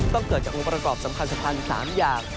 เกิดจากองค์ประกอบสำคัญสำคัญ๓อย่าง